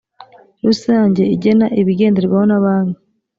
rusange igena ibigenderwaho na banki